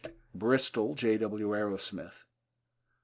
(Bristol: J. W. Arrowsmith.)